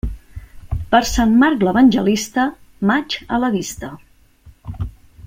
Per Sant Marc l'evangelista, maig a la vista.